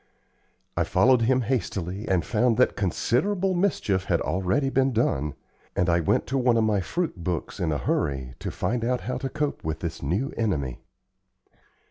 I followed him hastily, and found that considerable mischief had already been done, and I went to one of my fruit books in a hurry to find out how to cope with this new enemy.